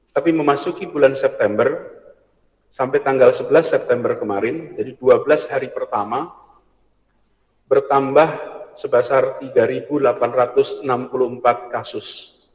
tapi memasuki bulan september sampai tanggal sebelas september kemarin jadi dua belas hari pertama bertambah sebesar tiga delapan ratus enam puluh empat kasus